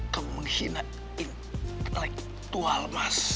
kamu menghina intelektual mas